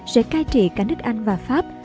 sẽ cai trị cả nước anh và pháp